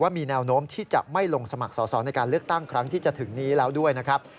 มีแนวโน้มที่จะไม่ลงสมัครสอสอในการเลือกตั้งครั้งที่จะถึงนี้แล้วด้วยนะครับ